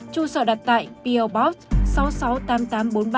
chủ sở đặt tại peelport